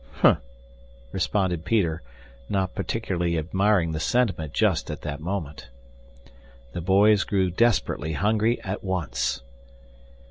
"Humph!" responded Peter, not particularly admiring the sentiment just at that moment. The boys grew desperately hungry at once.